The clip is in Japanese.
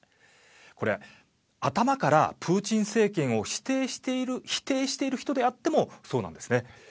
これ、頭からプーチン政権を否定している人であってもそうなんですね。